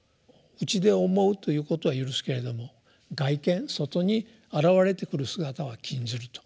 内で想うということは許すけれども「外顕」外に現れてくる姿は禁じると。